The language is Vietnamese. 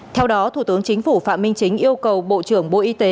theo đó thủ tướng chính phủ phạm minh chính yêu cầu bộ trưởng bộ y tế